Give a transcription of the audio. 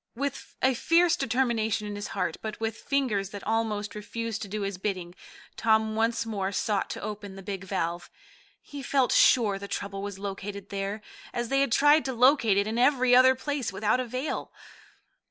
With a fierce determination in his heart, but with fingers that almost refused to do his bidding, Tom once more sought to open the big valve. He felt sure the trouble was located there, as they had tried to locate it in every other place without avail.